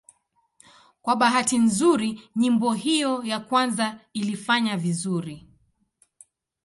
Kwa bahati nzuri nyimbo hiyo ya kwanza ilifanya vizuri.